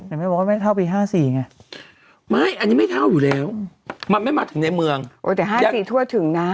แม่บอกว่าไม่เท่าปี๕๔ไงไม่อันนี้ไม่เท่าอยู่แล้วมันไม่มาถึงในเมืองโอ้แต่ห้าสี่ทั่วถึงนะ